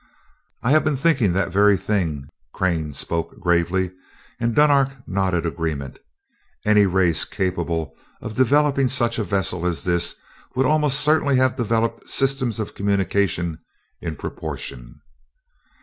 "I have been thinking that very thing," Crane spoke gravely, and Dunark nodded agreement. "Any race capable of developing such a vessel as this would almost certainly have developed systems of communication in proportion."